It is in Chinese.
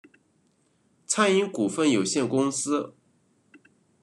餐饮股份有限公司